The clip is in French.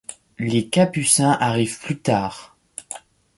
Les Capucins arrivent plus tard.